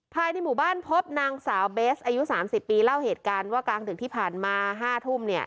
ภายในหมู่บ้านพบนางสาวเบสอายุ๓๐ปีเล่าเหตุการณ์ว่ากลางดึกที่ผ่านมา๕ทุ่มเนี่ย